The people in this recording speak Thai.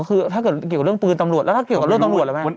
คือถ้าเกิดเกี่ยวกับเรื่องปืนตำรวจแล้วถ้าเกี่ยวกับเรื่องตำรวจล่ะแม่